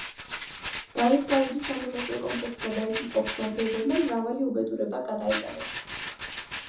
დავითგარეჯის სამონასტრო კომპლექსმა და იქ მყოფმა ბერებმა მრავალი უბედურება გადაიტანეს.